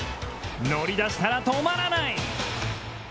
乗り出したら止まらない！